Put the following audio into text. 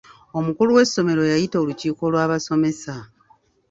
Omukulu w'essomero yayita olukiiko lw'abasomesa.